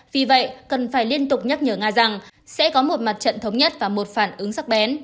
vì vậy cần phải liên tục nhắc nhở nga rằng sẽ có một mặt trận thống nhất và một phản ứng sắc bén